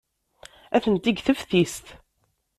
Atenti deg teftist.